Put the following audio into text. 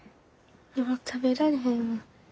もう食べられへんわ。